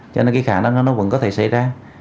cho nên khả năng đó vẫn có thể xảy ra